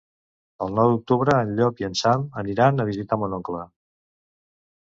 El nou d'octubre en Llop i en Sam aniran a visitar mon oncle.